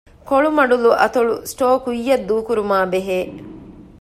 ކޮޅުމަޑުލު އަތޮޅު ސްޓޯރ ކުއްޔަށް ދޫކުރުމާބެހޭ